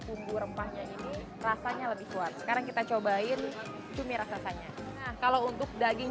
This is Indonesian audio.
bumbu rempahnya ini rasanya lebih kuat sekarang kita cobain cumi raksasanya kalau untuk daging